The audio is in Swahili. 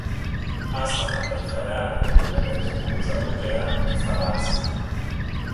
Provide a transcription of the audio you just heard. Hasa mataifa yale yanayozungumza lugha ya Kifaransa